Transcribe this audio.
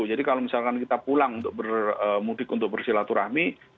jadi kalau misalkan kita pulang untuk bermudik untuk bersilaturahmi